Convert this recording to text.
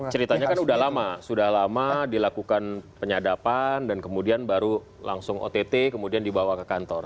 ceritanya kan sudah lama sudah lama dilakukan penyadapan dan kemudian baru langsung ott kemudian dibawa ke kantor